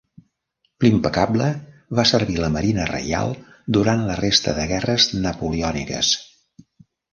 L'"Implacable" va servir la Marina Reial durant la resta de guerres napoleòniques.